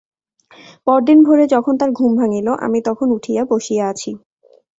পরদিন ভোরে যখন তাঁর ঘুম ভাঙিল আমি তখন উঠিয়া বসিয়া আছি।